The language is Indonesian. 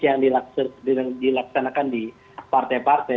yang dilaksanakan di partai partai